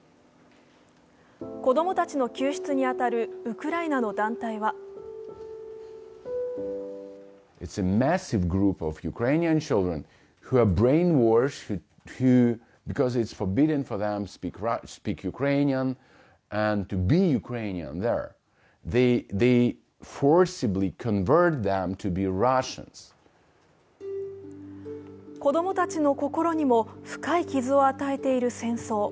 子供たちの救出に当たるウクライナの団体は子どもたちの心にも深い傷を与えている戦争。